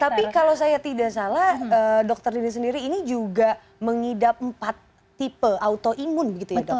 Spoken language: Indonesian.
tapi kalau saya tidak salah dokter dini sendiri ini juga mengidap empat tipe autoimun begitu ya dok